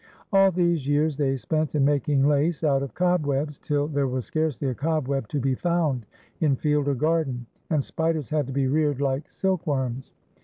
All these years they spent in making lace out of cobwebs, till there was scarcelx a cobweb to be found in field or garden, and spiders had to be reared like silkworms.